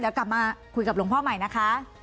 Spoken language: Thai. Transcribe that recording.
เดี๋ยวกลับมาคุยกับหลวงพ่อใหม่นะคะ